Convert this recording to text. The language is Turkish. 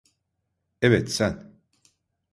Evet, sen.